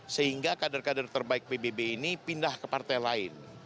sehingga kader kader terbaik pbb ini pindah ke partai lain